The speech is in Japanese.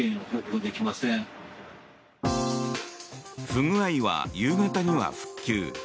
不具合は夕方には復旧。